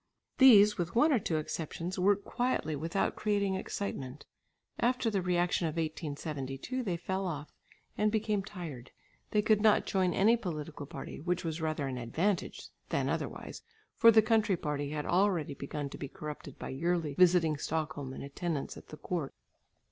These, with one or two exceptions, worked quietly without creating excitement. After the reaction of 1872 they fell off and became tired; they could not join any political party which was rather an advantage than otherwise for the country party had already begun to be corrupted by yearly visiting Stockholm and attendance at the court.